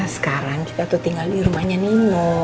sekarang kita tuh tinggal di rumahnya nino